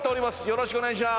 よろしくお願いします。